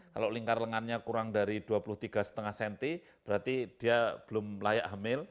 kalau lingkar lengannya kurang dari dua puluh tiga lima cm berarti dia belum layak hamil